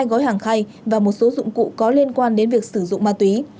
hai gói hàng khay và một số dụng cụ có liên quan đến việc sử dụng ma túy